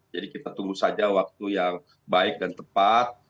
jadi kita tunggu saja waktu yang baik dan tepat